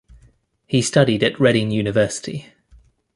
He studied at Reading University.